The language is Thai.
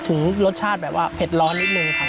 ถึงรสชาติแบบว่าเผ็ดร้อนนิดนึงครับ